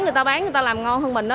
người ta bán người ta làm ngon hơn mình